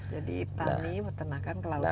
jadi tani peternakan kelautan